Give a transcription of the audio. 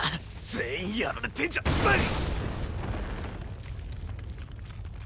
全員やられてんじゃうっ！